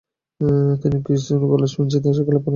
তিনি Christ's college, ফিঞ্চলিতে শিক্ষা লাভ করেন।